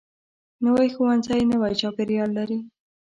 نوی ښوونځی نوی چاپیریال لري